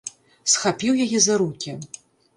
Схапіў яе за рукі.